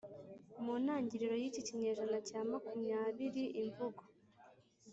mu ntangiriro y' iki kinyejana cya makumyabiri, imvugo